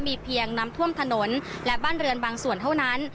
มีเพียงน้ำท่วมถนนและบ้านเรือนบางส่วนเท่านั้น